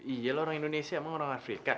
iya loh orang indonesia sama orang afrika